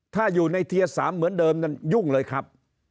ถ้าอยู่ในเทียร์๓เหมือนเดิมนั้นยุ่งเลยครับ